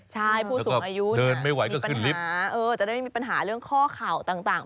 ใช่ผู้สูงอายุเดินไม่ไหวมีปัญหาจะได้ไม่มีปัญหาเรื่องข้อเข่าต่าง